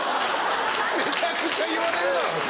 めちゃくちゃ言われるだろ。